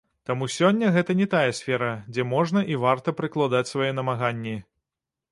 Таму сёння гэта не тая сфера, дзе можна і варта прыкладаць свае намаганні.